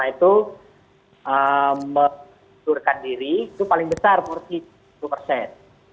karena itu menurutkan diri itu paling besar empat puluh persen